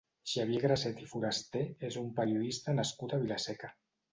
Xavier Graset i Forasté és un periodista nascut a Vila-seca.